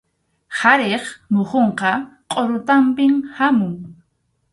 Qharip muhunqa qʼurutanpi hamun.